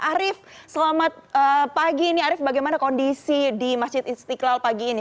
arief selamat pagi ini arief bagaimana kondisi di masjid istiqlal pagi ini